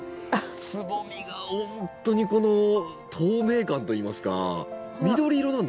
つぼみがほんとに透明感といいますか緑色なんですねがくが。